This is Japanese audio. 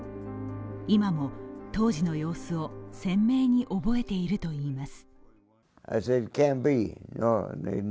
今も当時の様子を鮮明に覚えているといいます。